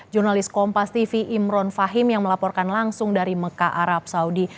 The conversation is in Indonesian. jurnalis kompas tv imron fahim yang melaporkan langsung dari mekah arab saudi